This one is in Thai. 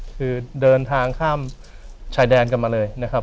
คือเดินทางข้ามชายแดนกันมาเลยนะครับ